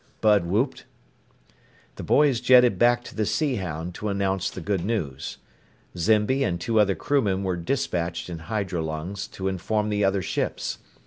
Bud whooped. The boys jetted back to the Sea Hound to announce the good news. Zimby and two other crewmen were dispatched in hydrolungs to inform the other ships.